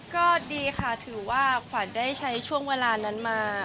ก็ดีค่ะถือว่าขวัญได้ใช้ช่วงเวลานั้นมา